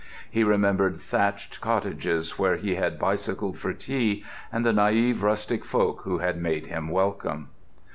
He remembered thatched cottages where he had bicycled for tea, and the naïve rustic folk who had made him welcome.